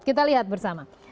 kita lihat bersama